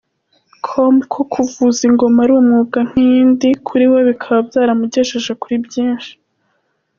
com ko kuvuza ingoma ari umwuga nk’iyindi , kuri we bikaba byaramugejeje kuri byinshi.